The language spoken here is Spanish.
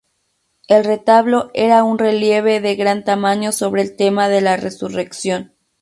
El retablo era un relieve de gran tamaño sobre el tema de la Resurrección.